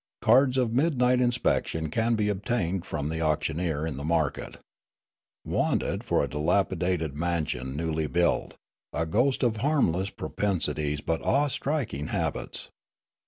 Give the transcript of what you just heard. Cards of midnight inspection to be obtained from the auctioneer in the market.' ' Wanted, for a dilapidated mansion newly built, a ghost of harmless propensities but awe striking habits.